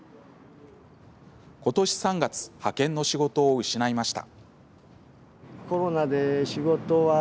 ことし３月派遣の仕事を失いました。